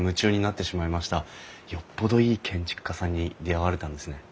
よっぽどいい建築家さんに出会われたんですね。